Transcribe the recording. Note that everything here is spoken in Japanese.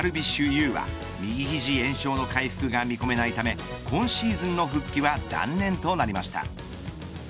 有は右肘炎症の回復が見込めないため今シーズンの復帰は断念となりました。